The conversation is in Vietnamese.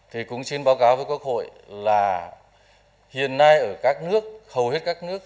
thì cũng xin báo cáo với quốc hội là hiện nay ở các nước hầu hết các nước